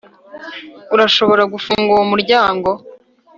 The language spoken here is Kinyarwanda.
Urashobora gufunga umuryango